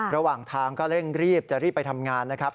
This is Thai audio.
ระหว่างทางก็เร่งรีบจะรีบไปทำงานนะครับ